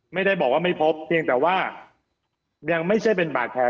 ไม่ได้บอกว่าไม่พบเพียงแต่ว่ายังไม่ใช่เป็นบาดแผล